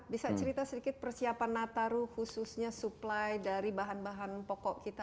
bisa cerita sedikit persiapan nataru khususnya supply dari bahan bahan pokok kita